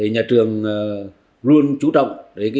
nhà trường luôn chú trọng